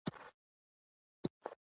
زده کړه نجونو ته د نړۍ لید پراخوي.